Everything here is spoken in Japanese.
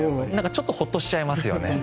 ちょっとホッとしちゃいますよね。